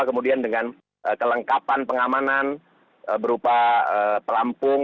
kemudian dengan kelengkapan pengamanan berupa pelampung